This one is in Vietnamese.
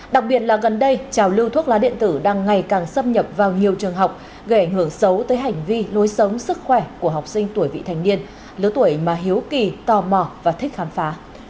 đặc biệt là gần đây trào lưu thuốc lá điện tử đang ngày càng xâm nhập vào nhiều trường học gây ảnh hưởng xấu tới hành vi lối sống sức khỏe của học sinh tuổi vị thành niên lứa tuổi mà hiếu kỳ tò mò và thích khám phá